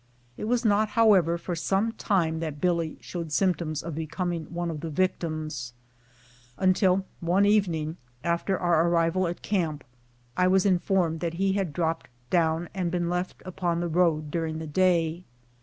It was not, how ever, for some time that Billy showed symptoms of becom ing one of the victims, until one evening after our arrival at camp I was informed that he had dropped down and been left upon the road during the day.